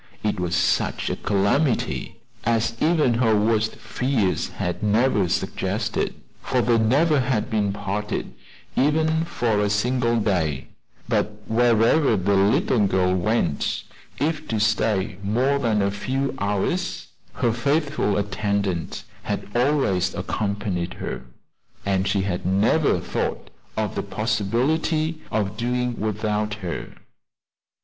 It was such a calamity as even her worst fears had never suggested, for they never had been parted, even for a single day; but wherever the little girl went, if to stay more than a few hours, her faithful attendant had always accompanied her, and she had never thought of the possibility of doing without her.